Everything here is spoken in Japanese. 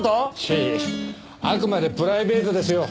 いえいえあくまでプライベートですよ。